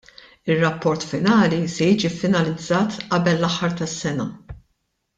Ir-rapport finali se jiġi ffinalizzat qabel l-aħħar tas-sena.